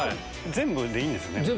全部でいいんですね？